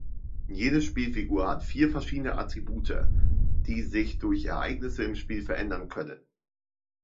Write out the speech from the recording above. Jede Spielfigur hat vier verschiedene Attribute, die sich durch Ereignisse im Spiel verändern können.